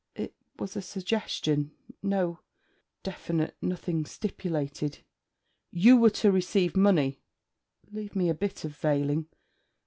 'It was a suggestion no definite... nothing stipulated.' 'You were to receive money!' 'Leave me a bit of veiling!